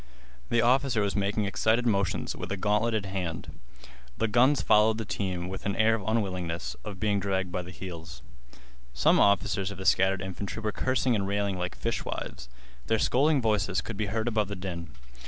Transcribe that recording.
The officer was making excited motions with a gauntleted hand. The guns followed the teams with an air of unwillingness, of being dragged by the heels. Some officers of the scattered infantry were cursing and railing like fishwives. Their scolding voices could be heard above the din.